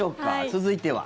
続いては。